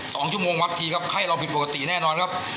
สองชั่วโมงวัดทีครับไข้เราผิดปกติแน่นอนครับ